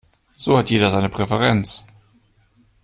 So hat jeder seine Präferenz.